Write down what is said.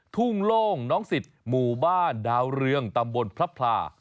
ทุ่งโล่งน้องสิทธิ์หมู่บ้านดาวเรืองตำบลพระพลา